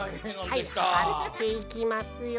はいはっていきますよ。